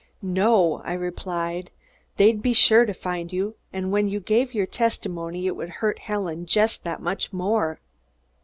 "No," I replied. "They'd be sure to find you, and when you gave your testimony, it would hurt Helen just that much more."